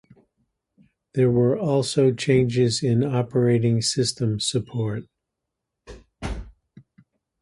There were also changes in operating system support.